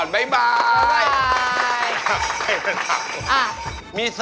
วี้